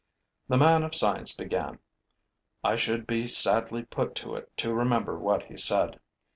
The man of science began. I should be sadly put to it to remember what he said.